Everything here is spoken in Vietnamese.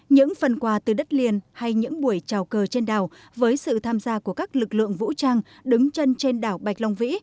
những phần quà từ đất liền hay những buổi trào cờ trên đảo với sự tham gia của các lực lượng vũ trang đứng chân trên đảo bạch long vĩ